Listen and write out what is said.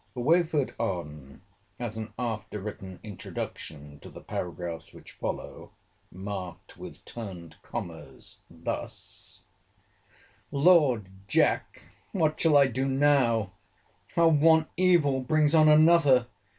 Wafer'd on, as an after written introduction to the paragraphs which follow, marked with turned commas, [thus, "]: Lord, Jack, what shall I do now! How one evil brings on another!